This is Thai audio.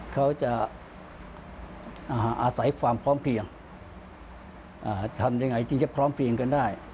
เขาจะอาศัยความพร้อมเพียงทำยังไงที่จะพร้อมเพียงกันได้